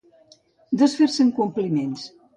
Desfer-se en compliments.